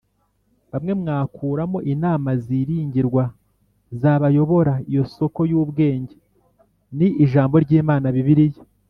bawe mwakuramo inama ziringirwa zabayobora Iyo soko y ubwenge ni Ijambo ry Imana Bibiliya